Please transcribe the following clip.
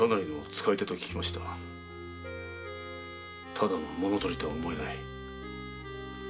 ただの物盗りとは思えない。